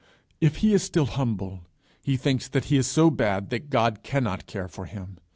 If he is still humble, he thinks that he is so bad that God cannot care for him.